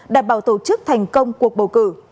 đảm bảo tổ chức thành công cuộc bầu cử